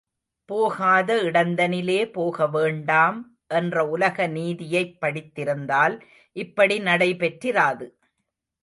போகாத இடந்தனிலே போகவேண்டாம் என்ற உலக நீதி யைப் படித்திருந்தால், இப்படி நடை பெற்றிராது.